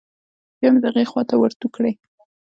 بيا مې د هغې خوا ته ورتو کړې.